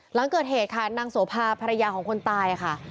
หลังเกิดเหตุค่ะนางโสภาภรรยาของคนตายค่ะ